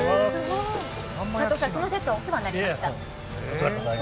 佐藤さん、その節はお世話になりました。